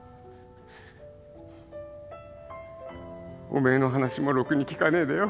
おめえの話もろくに聞かねえでよ。